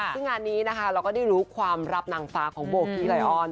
ซึ่งงานนี้นะคะเราก็ได้รู้ความรับนางฟ้าของโบกี้ไลออน